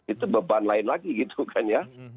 itu beban lain lagi gitu kan ya